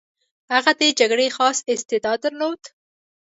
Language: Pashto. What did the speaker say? هغه د جګړې خاص استعداد درلود.